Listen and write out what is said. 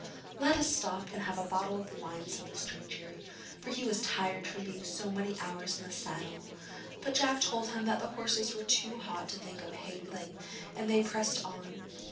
'Let us stop and have a bottle of wine,' said the stranger, for he was tired from being so many hours in the saddle; but Jack told him that the horses were too hot to think of halting, and they pressed on.